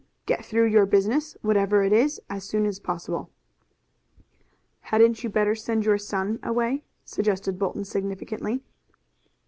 Get through your business, whatever it is, as soon as possible." "Hadn't you better send your son away?" suggested Bolton significantly.